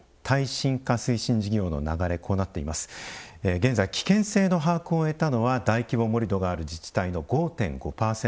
現在危険性の把握を終えたのは大規模盛土のある自治体の５．５％。